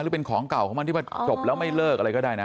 หรือเป็นของเก่าของมันที่ว่าจบแล้วไม่เลิกอะไรก็ได้นะ